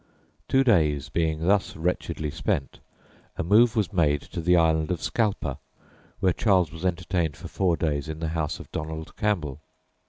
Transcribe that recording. Two days being thus wretchedly spent, a move was made to the Island of Scalpa, where Charles was entertained for four days in the house of Donald Campbell.